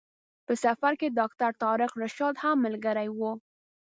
په سفر کې ډاکټر طارق رشاد هم ملګری و.